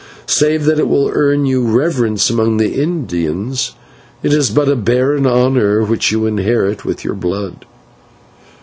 Save that it will earn you reverence among the Indians, it is but a barren honour which you inherit with your blood.